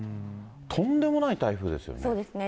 とんでもない台風ですよね。